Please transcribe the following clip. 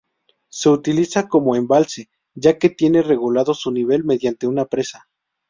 Se utiliza como embalse, ya que tiene regulado su nivel mediante una presa.